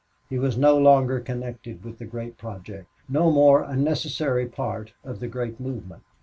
He was no longer connected with the great project no more a necessary part of the great movement.